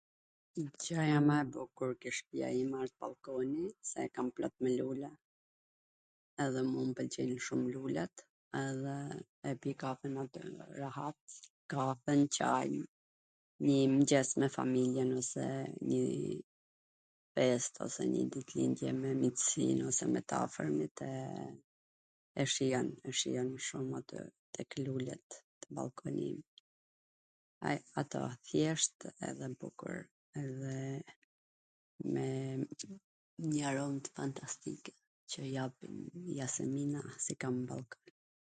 Gjwja ma e bukur ke shpija ime asht ballkoni, se e kam plot me lule, edhe mu m pwlqejn shum lulet edhe e pi kafen rahat, kafen, Cain, nji mngjes me familjen ose nji fest ose nji takim me miqsin ose nji ditlindje me tw afwrmit e tw shijojm tw shijojm shum ate tek lulet, te ballkoni im, ato, thjesht edhe bukur, dhe me njw arom fantastike, qw japin jasemina se i kam n ballkon. .